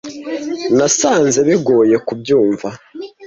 Nasanze bigoye kubyumva.